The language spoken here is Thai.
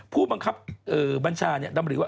ผู้บังคับบัญชาดำริว่า